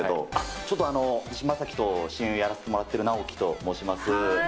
ちょっとあの、菅田将暉と親友やらせてもらってる、直樹と申しまはーい。